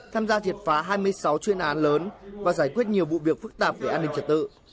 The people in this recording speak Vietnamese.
tham gia triệt phá hai mươi sáu chuyên án lớn và giải quyết nhiều vụ việc phức tạp về an ninh trật tự